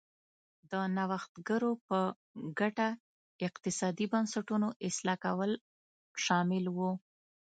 د نوښتګرو په ګټه اقتصادي بنسټونو اصلاح کول شامل و.